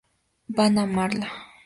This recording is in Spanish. Van a amarla.